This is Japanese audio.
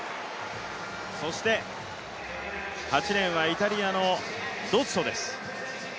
そして８レーンはイタリアのドッソです。